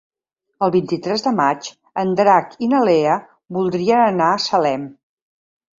El vint-i-tres de maig en Drac i na Lea voldrien anar a Salem.